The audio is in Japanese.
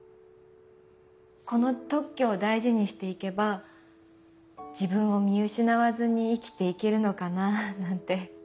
この特許を大事にしていけば自分を見失わずに生きていけるのかななんて。